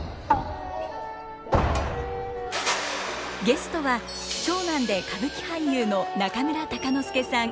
ゲストは長男で歌舞伎俳優の中村鷹之資さん。